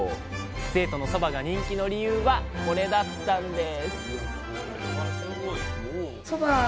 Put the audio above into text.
生徒のそばが人気の理由はこれだったんです